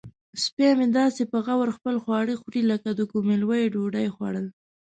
سپی مې داسې په غور خپل خواړه خوري لکه د کومې لویې ډوډۍ خوړل.